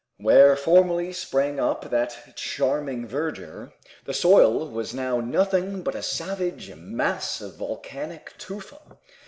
Where formerly sprang up that charming verdure, the soil was now nothing but a savage mass of volcanic tufa.